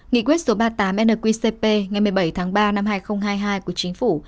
nghị quyết số ba mươi tám nqcp ngày một mươi bảy tháng ba năm hai nghìn hai mươi hai của chính phủ